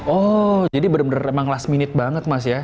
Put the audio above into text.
oh jadi bener bener emang last minute banget mas ya